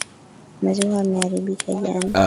Maziwa yameharibika jana.